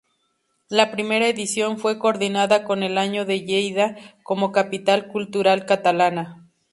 La primera edición fue coordinada con el año de Lleida como capital cultural catalana.